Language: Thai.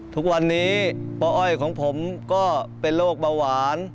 ทุกวันนี้ป้าอ้อยของผมก็เป็นโรคเบาหวาน